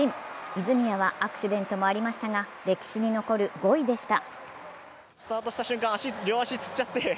泉谷はアクシデントもありましたが歴史に残る５位でした。